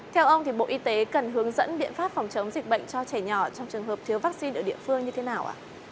theo ông thì bộ y tế cần hướng dẫn biện pháp phòng chống dịch bệnh cho trẻ nhỏ trong trường hợp thiếu vaccine ở địa phương như thế nào ạ